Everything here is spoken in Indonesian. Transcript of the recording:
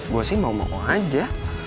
gue sih mau mau aja